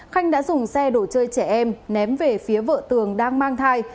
khanh đã dùng xe đồ chơi trẻ em ném về phía vợ tường đang mang thai